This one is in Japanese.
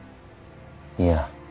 いや。